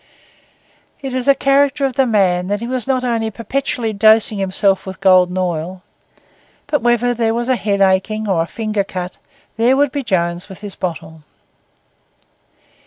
It is a character of the man that he was not only perpetually dosing himself with Golden Oil, but wherever there was a head aching or a finger cut, there would be Jones with his bottle.